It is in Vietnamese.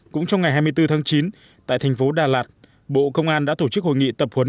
cũng trong ngày hai mươi bốn tháng chín tại thành phố đà lạt bộ công an đã tổ chức hội nghị tập huấn